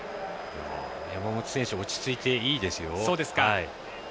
山本選手、落ち着いていいですよ。